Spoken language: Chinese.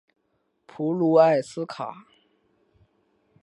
普卢埃斯卡。